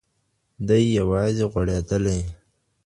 دی یوازي غوړېدلی